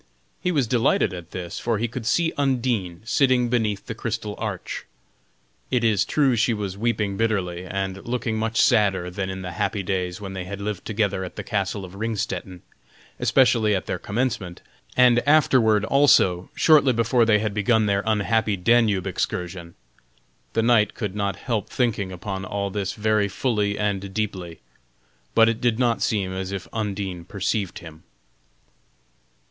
He was delighted at this, for he could see Undine sitting beneath the crystal arch. It is true she was weeping bitterly, and looking much sadder than in the happy days when they had lived together at the castle of Ringstetten, especially at their commencement, and afterward also, shortly before they had begun their unhappy Danube excursion. The knight could not help thinking upon all this very fully and deeply, but it did not seem as if Undine perceived him.